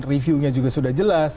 review nya juga sudah jelas